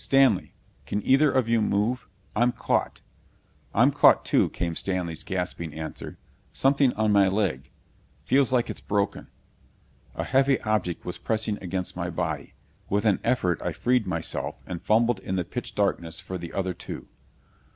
"Stanley can either of you move? I'm caught." "I'm caught, too," came Stanley's gasping answer. "Something on my leg feels like it's broken." A heavy object was pressing across my body. With an effort I freed myself and fumbled in the pitch darkness for the other two.